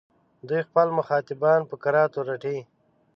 دوی خپل مخاطبان په کراتو رټي.